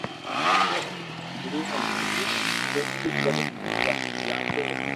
جڻي ھون ڇوٽي ڪرين اسڪول واپس جاتو